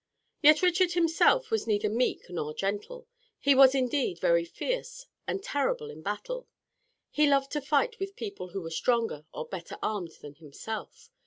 Yet Richard himself was neither meek nor gentle. He was indeed very fierce and terrible in battle. He loved to fight with people who were stronger or better armed than himself.